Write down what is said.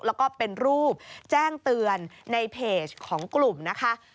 แล้วก็เป็นรูปแจ้งเตือนในเพจของกลุ่มนะคะ